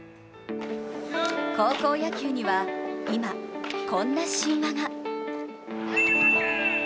高校野球には今、こんな神話が。